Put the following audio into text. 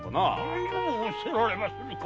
何を仰せられますか！